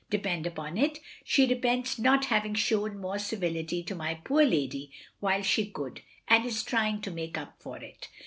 Depend upon it, she repents not having shown more civility to my poor lady while she could, and is trying to make up for it.